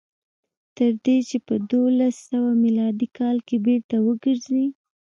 تر دې چې په دولس سوه میلادي کال کې بېرته وګرځي.